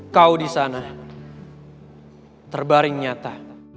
kau disana terbaring nyata